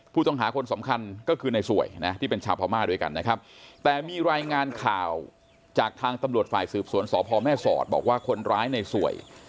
ผู้ต้องหาคนสำคัญก็คือในสวยนะที่เป็นชาวพม่าด้วยกันนะครับแต่มีรายงานข่าวจากทางตำรวจฝ่ายสืบสวนสพแม่สอดบอกว่าคนร้ายในสวย